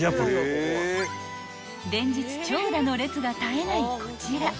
［連日長蛇の列が絶えないこちら］